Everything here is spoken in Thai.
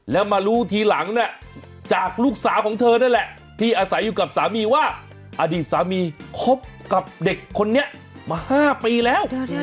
แล้วมารู้ทีหลังเนี่ยจากลูกสาวของเธอนั่นแหละที่อาศัยอยู่กับสามีว่าอดีตสามีคบกับเด็กคนนี้มา๕ปีแล้ว